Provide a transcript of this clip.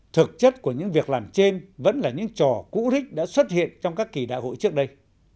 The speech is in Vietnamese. thực chất của những việc làm trên vẫn là những trò cũ rích đã xuất hiện trong các kỳ đại hội trước đây